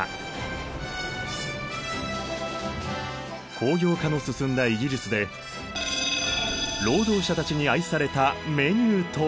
工業化の進んだイギリスで労働者たちに愛されたメニューとは？